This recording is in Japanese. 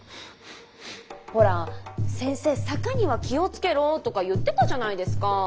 ほら先生「坂には気をつけろ」とか言ってたじゃないですかぁー。